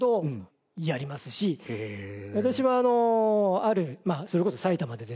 私はあるそれこそ埼玉でですね